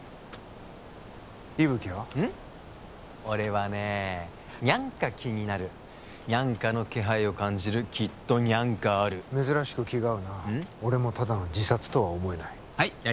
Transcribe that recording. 俺はねえニャンか気になるニャンかの気配を感じるきっとニャンかある珍しく気が合うな俺もただの自殺とは思えない